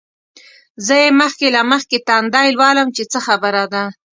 زه یې مخکې له مخکې تندی لولم چې څه خبره ده.